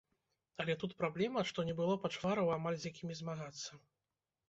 Але тут праблема, што не было пачвараў амаль, з якімі змагацца.